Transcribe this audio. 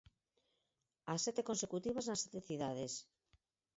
As sete consecutivas nas sete cidades.